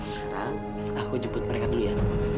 sekarang aku jemput mereka dulu ya